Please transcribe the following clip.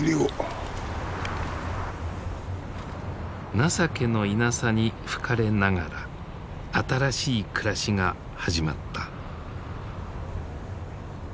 情けのイナサに吹かれながら新しい暮らしが始まった。